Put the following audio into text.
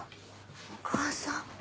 お母さん。